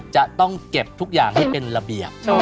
จะต้องเก็บทุกอย่างให้เป็นระเบียบ